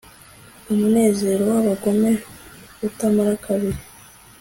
umunezero w'abagome utamara kabiri